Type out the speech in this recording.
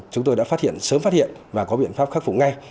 chúng tôi đã sớm phát hiện và có biện pháp khắc phục ngay